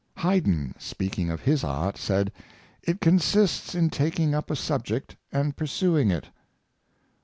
Haydn, speaking of his art, said, " It consists in tak ing up a subject and pursuing it."